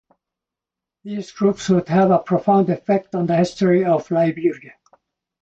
These groups would have a profound effect on the history of Liberia.